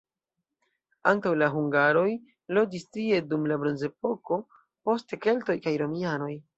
Antaŭ la hungaroj loĝis tie dum la bronzepoko, poste keltoj kaj romianoj.